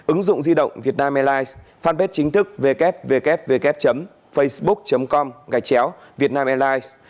ứng dụng di động vietnam airlines fanpage chính thức www facebook com gạch chéo vietnam airlines